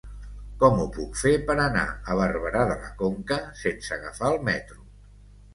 Com ho puc fer per anar a Barberà de la Conca sense agafar el metro?